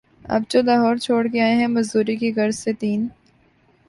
اب جو لاہور چھوڑ کے آئے ہیں، مزدوری کی غرض سے تین